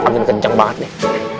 aduh kenceng banget nih